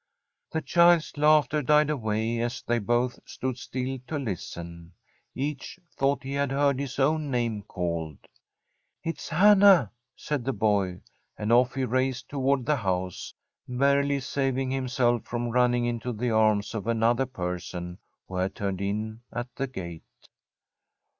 The child's laughter died away as they both stood still to listen. Each thought he had heard his own name called. 'It's Hannah,' said the boy; and off he raced toward the house, barely saving himself from running into the arms of another person who had turned in at the gate.